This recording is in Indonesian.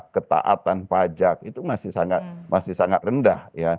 ketaatan pajak itu masih sangat rendah